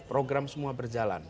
program semua berjalan